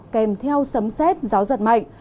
kèm theo sấm xét gió giật mạnh